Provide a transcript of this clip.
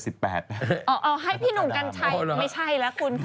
เอาให้พี่หนุ่มกัญชัยไม่ใช่แล้วคุณค่ะ